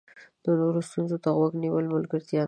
د نورو ستونزو ته غوږ نیول د ملګرتیا نښه ده.